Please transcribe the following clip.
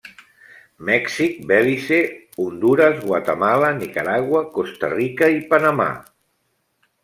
Mèxic, Belize, Hondures, Guatemala, Nicaragua, Costa Rica i Panamà.